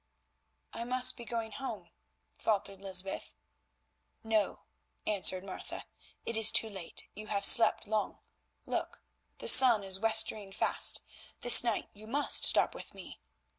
"I must be going home," faltered Lysbeth. "No," answered Martha, "it is too late, you have slept long. Look, the sun is westering fast, this night you must stop with me.